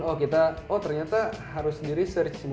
oh ternyata harus di research